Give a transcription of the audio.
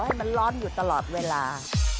ให้มันร้อนอยู่ตลอดเวลา